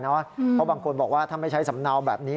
เพราะบางคนบอกว่าถ้าไม่ใช้สำเนาแบบนี้